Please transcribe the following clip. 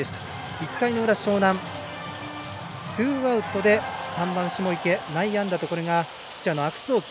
１回の裏、樟南ツーアウトで３番の下池内野安打とピッチャーの悪送球。